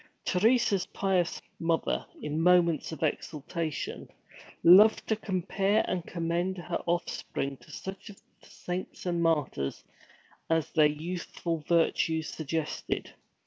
Teresa's pious mother, in moments of exultation, loved to compare and commend her offspring to such of the saints and martyrs as their youthful virtues suggested.